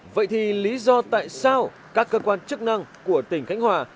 vậy thì lý do tại sao các cơ quan chức năng của tỉnh khánh hòa